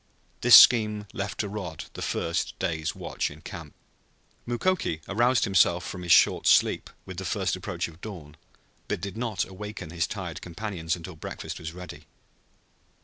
This scheme left to Rod the first day's watch in camp. Mukoki aroused himself from his short sleep with the first approach of dawn but did not awaken his tired companions until breakfast was ready.